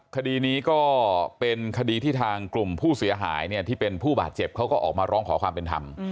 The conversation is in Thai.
คดีนี้ก็เป็นคดีที่ทางกลุ่มผู้เสียหายเนี่ยที่เป็นผู้บาดเจ็บเขาก็ออกมาร้องขอความเป็นธรรม